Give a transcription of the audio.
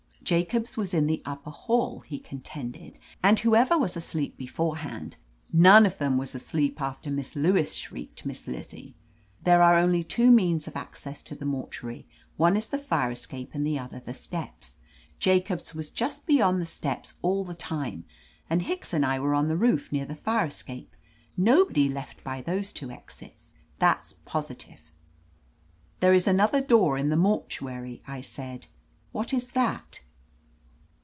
"Jacobs was in the upper hall," he con tended, "and whoever was asleep beforehand, none of them was asleep after Miss Lewis shrieked. Miss Lizzie. There are only two means of access to the mortuary, one is the fire escape and the other the steps. Jacobs was just beyond the steps all the time, and Hicks and I were on the roof near the fire escape. Nobody left by those two exits. That's positive." "There is another door in the mortuary," I said. "What is that?"